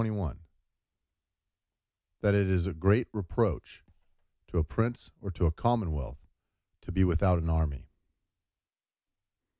—That it is a great reproach to a Prince or to a Commonwealth to be without a national Army.